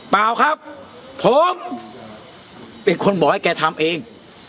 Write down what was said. เปล่าครับผมเป็นคนบอกให้แกทำเอง